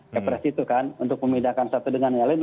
depresi itu kan untuk memindahkan satu dengan yang lain